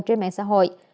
trên mạng xã hội